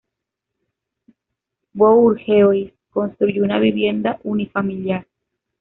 Bourgeois construyó una vivienda unifamiliar.